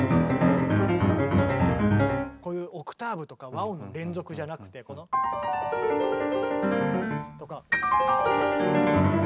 こういうオクターブとか和音の連続じゃなくてこの。とか。